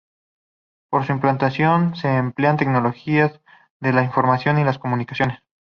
Para su implantación se emplean tecnologías de la información y las comunicaciones.